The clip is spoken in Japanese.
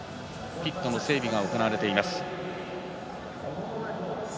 ピットの整備が行われています。